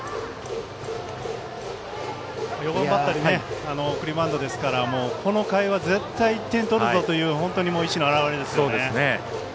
４番バッターで送りバントですからこの回は絶対に点を取るぞという本当に意思の表れですよね。